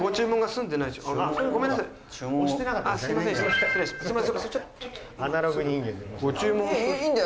すいません